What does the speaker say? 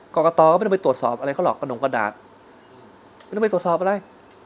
กรกตก็ไม่ต้องไปตรวจสอบอะไรเขาหรอกกระหนงกระดาษไม่ต้องไปตรวจสอบอะไร